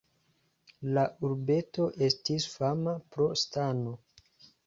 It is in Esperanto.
La urbeto estis fama pro stano.